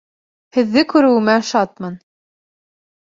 Һеҙҙе күреүемә шатмын.